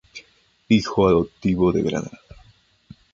Hijo adoptivo de Granada.